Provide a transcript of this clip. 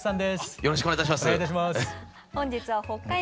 よろしくお願いします。